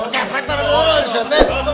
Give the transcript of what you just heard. kepek taruh di orang disitu